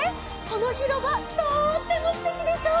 このひろばとってもすてきでしょ！